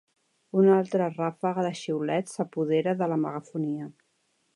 Una altra ràfega de xiulets s'apodera de la megafonia.